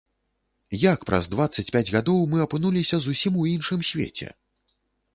Як праз дваццаць пяць гадоў мы апынуліся зусім у іншым свеце?